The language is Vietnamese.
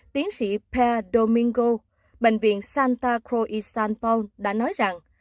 tiến sĩ per domingo bệnh viện santa cruz san paul đã nói rằng